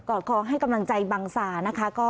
อดคอให้กำลังใจบังซานะคะ